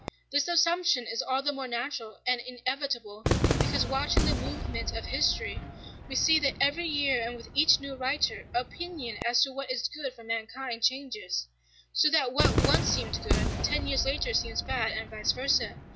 This assumption is all the more natural and inevitable because, watching the movement of history, we see that every year and with each new writer, opinion as to what is good for mankind changes; so that what once seemed good, ten years later seems bad, and vice versa.